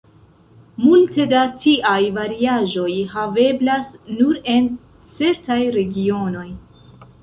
Multe da tiaj variaĵoj haveblas nur en certaj regionoj.